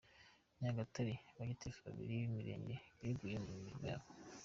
Nyagatare:Ba Gitifu babiri b’Imirenge beguye ku mirimo yabo.